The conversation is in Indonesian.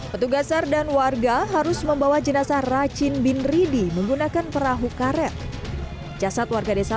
petugasar dan warga harus membawa jenazah racin bin ridi menggunakan perahu karet jasad warga desa